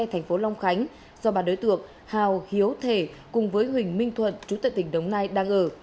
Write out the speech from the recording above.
thành phố long khánh do bà đối tượng hào hiếu thể cùng với huỳnh minh thuận chú tại tỉnh đồng nai đang ở